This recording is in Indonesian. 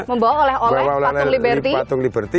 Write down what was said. membawa oleh oleh patung liberty